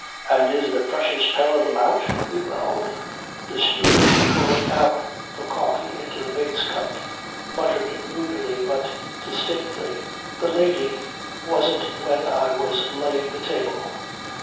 "And is the precious pair of them out?" he growled. The steward, pouring out the coffee into the mate's cup, muttered moodily but distinctly: "The lady wasn't when I was laying the table."